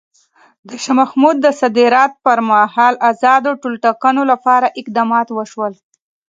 د شاه محمود د صدارت پر مهال ازادو ټولټاکنو لپاره اقدامات وشول.